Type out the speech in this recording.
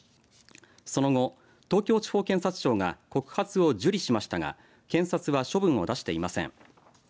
その後、東京地方検察庁が告発を受理しましたが検察は処分を出していません。